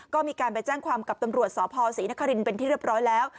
ก็มีการไปแจ้งความกับตำรวจสพศรีนครินเป็นที่เรียบร้อยแล้ว